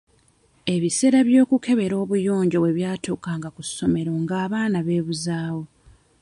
Ebiseera by'okukebera obuyonjo bwe byatuukanga ku ssomero abaana nga beebuzaawo.